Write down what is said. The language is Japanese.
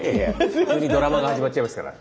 普通にドラマが始まっちゃいますから。